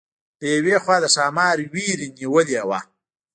د یوې خوا د ښامار وېرې نیولې وه.